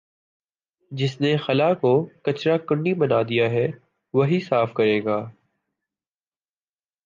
جس نے خلاکو کچرا کنڈی بنایا ہے وہی صاف کرے گا